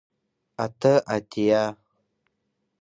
اته اتیا